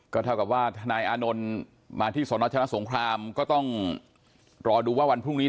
เท่ากับว่าทนายอานนท์มาที่สนชนะสงครามก็ต้องรอดูว่าวันพรุ่งนี้